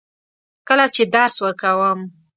کله چې درس ورکوم.